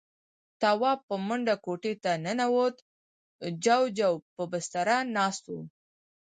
تواب په منډه کوټې ته ننوت. جُوجُو پر بستره ناست و.